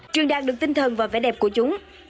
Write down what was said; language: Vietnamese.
truyền đạt được tinh thần và vẻ đẹp của chúng